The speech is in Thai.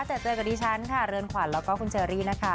เจอเจอกับดิฉันค่ะเรือนขวัญแล้วก็คุณเชอรี่นะคะ